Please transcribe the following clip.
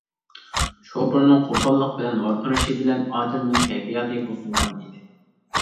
شوپۇرنىڭ قوپاللىق بىلەن ۋارقىرىشى بىلەن ئادىلنىڭ كەيپىياتى بۇزۇلغان ئىدى.